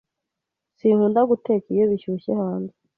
Sinkunda guteka iyo bishyushye hanze.